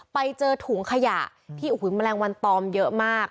ไปเจอถุงขยะที่แมลงวันตอมเยอะมาก